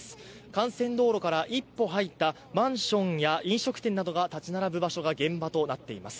幹線道路から一歩入ったマンションや飲食店などが建ち並ぶ場所が現場となっています。